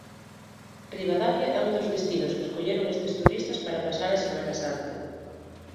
Ribadavia é un dos destinos que escolleron estes turistas para pasar a Semana Santa.